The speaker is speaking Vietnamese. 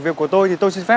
kiếm tiền đi chị này